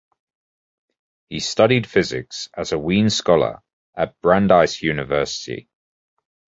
He studied physics as a Wien Scholar at Brandeis University.